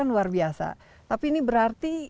luar biasa tapi ini berarti